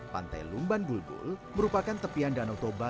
pantai lumban bulbul merupakan tepian danau toba